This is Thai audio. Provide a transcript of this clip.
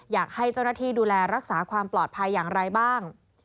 อยากให้เจ้าหน้าที่ดูแลรักษาความปลอดภัยอย่างไรบ้าง